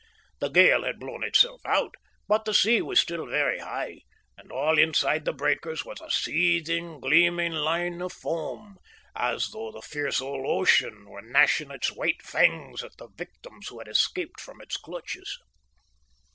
The gale had blown itself out, but the sea was still very high, and all inside the breakers was a seething, gleaming line of foam, as though the fierce old ocean were gnashing its white fangs at the victims who had escaped from its clutches.